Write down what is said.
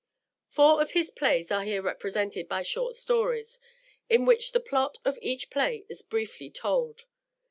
Four of his plays are here represented by short stories, in which the plot of each play is briefly told.